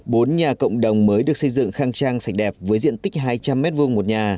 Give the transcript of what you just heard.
bốn nhà cộng đồng mới được xây dựng khang trang sạch đẹp với diện tích hai trăm linh m hai một nhà